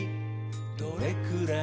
「どれくらい？